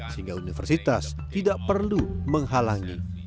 sehingga universitas tidak perlu menghalangi